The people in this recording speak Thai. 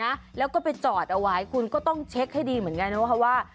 นะแล้วก็ไปจอดเอาไว้คุณก็ต้องเช็คให้ดีเหมือนกันนะคะว่า